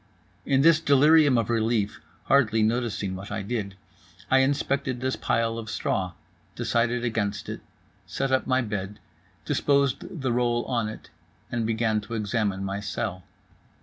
In this delirium of relief (hardly noticing what I did) I inspected the pile of straw, decided against it, set up my bed, disposed the roll on it, and began to examine my cell.